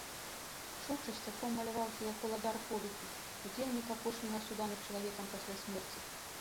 Шу часцяком маляваўся як уладар подыху, удзельнік апошняга суда над чалавекам пасля смерці.